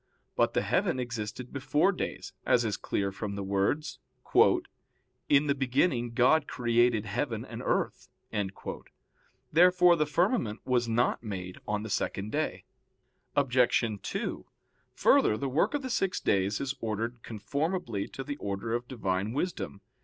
But the heaven existed before days, as is clear from the words, "In the beginning God created heaven and earth." Therefore the firmament was not made on the second day. Obj. 2: Further, the work of the six days is ordered conformably to the order of Divine wisdom.